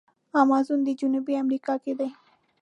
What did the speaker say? امازون په جنوبي امریکا کې دی.